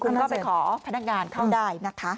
คุณก็ไปขอพนักงานเข้าได้นะคะ